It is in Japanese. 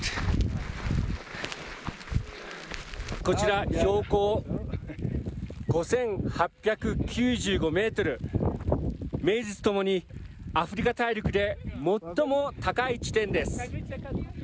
こちら、標高５８９５メートル、名実ともにアフリカ大陸で最も高い地点です。